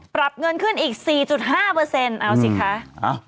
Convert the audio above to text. ปรับเงินขึ้นอีก๔๕เอาสิคะ